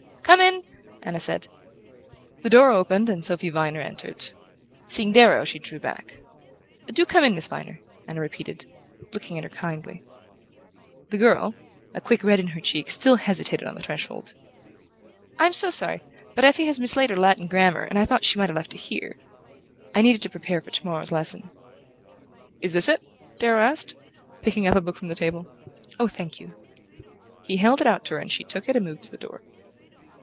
"Come in!" Anna said. The door opened and Sophy Viner entered. Seeing Darrow, she drew back. "Do come in, Miss Viner," Anna repeated, looking at her kindly. The girl, a quick red in her cheeks, still hesitated on the threshold. "I'm so sorry; but Effie has mislaid her Latin grammar, and I thought she might have left it here. I need it to prepare for tomorrow's lesson." "Is this it?" Darrow asked, picking up a book from the table. "Oh, thank you!" He held it out to her and she took it and moved to the door.